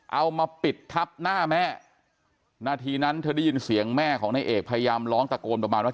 เอามาปิดทับหน้าแม่นาทีนั้นเธอได้ยินเสียงแม่ของนายเอกพยายามร้องตะโกนประมาณว่า